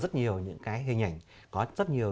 rất nhiều những hình ảnh có rất nhiều